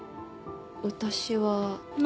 私は何？